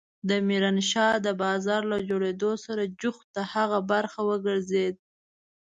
د ميرانشاه د بازار له جوړېدو سره جوخت د هغه برخه وګرځېد.